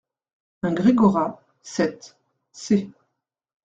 un Gregoras, sept, c.